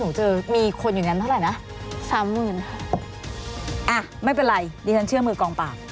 เจอมีคนอยู่นั้นเท่าไหร่นะสามหมื่นอ่ะไม่เป็นไรดิฉันเชื่อมือกองปาก